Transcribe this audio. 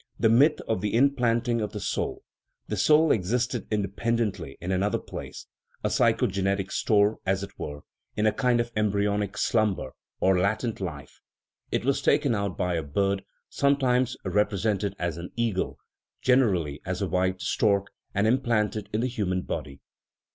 The myth of the in planting of the soul. The soul existed independently in another place a psycho genetic store, as it were (in a kind of embryonic slumber or latent life) ; it was taken out by a bird (sometimes represented as an eagle, generally as a white stork), and implanted in the human body.